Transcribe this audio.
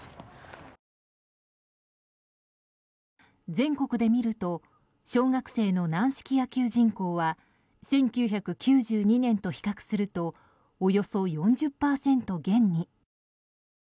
全国で見ると小学生の軟式野球人口は１９９２年と比較するとおよそ４０％減に。